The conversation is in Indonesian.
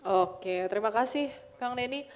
oke terima kasih kang nedy